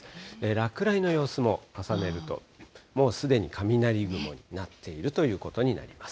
落雷の様子も重ねると、もうすでに雷雲になっているということになります。